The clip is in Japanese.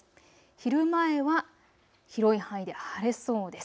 昼前は広い範囲で晴れそうです。